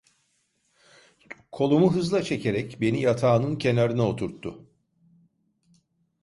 Kolumu hızla çekerek beni yatağının kenarına oturttu.